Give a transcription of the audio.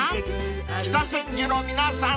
［北千住の皆さん